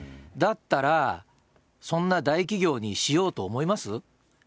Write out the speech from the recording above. だったらそんな大企業にしようと思います？